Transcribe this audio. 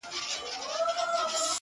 په سل ځله دي غاړي ته لونگ در اچوم!